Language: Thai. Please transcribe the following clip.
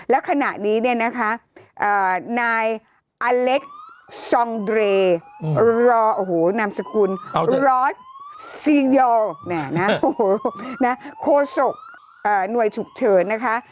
แล้วขณะนี้เนี่ยนะคะนายอาเล็กซองเดรียนามสกุลรอดซีเงิลโคโศกหน่วยฉุกเฉินนะคะ